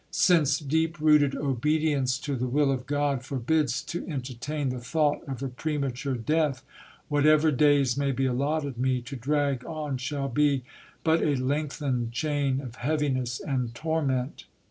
Since deep rooted obedience to the will of God forbids to entertain the thought of a premature death, whatever days may be allotted me to drag on shall be but a lengthened chain of heaviness and torment.